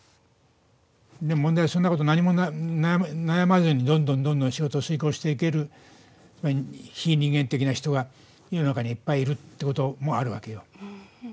でも問題は、そんなこと何も悩まずにどんどん、どんどん仕事を遂行していける非人間的な人が世の中にいっぱいいるってことも、あるわけよ。